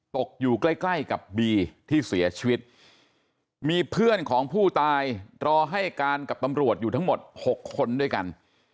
ตกอยู่ใกล้ใกล้กับบีที่เสียชีวิตมีเพื่อนของผู้ตายรอให้การกับตำรวจอยู่ทั้งหมด๖คนด้วยกัน